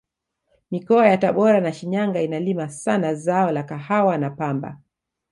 mikoa ya tabora na shinyanga inalima sana zao la kahawa na pamba